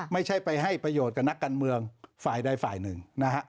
ไม่ใช่ไปให้ประโยชน์กับนักการเมืองฝ่ายใดฝ่ายหนึ่งนะฮะ